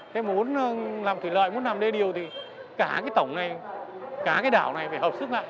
thế muốn làm thủy lợi muốn làm đê điều thì cả cái tổng này cả cái đảo này phải hợp sức lại